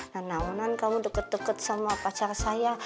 nah namunan kamu deket deket sama pacar saya